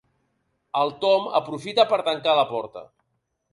El Tom aprofita per tancar la porta.